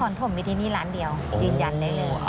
คอนถมไม่ได้ที่นี่ร้านเดียวจริงได้เลย